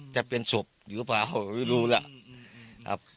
จะเป็นศพหรือเปล่าไม่รู้แล้ว